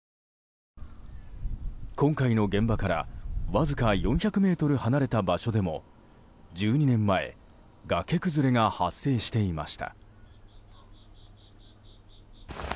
今回の現場からわずか４００ｍ離れた場所でも１２年前崖崩れが発生していました。